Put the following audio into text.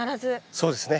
そうですね。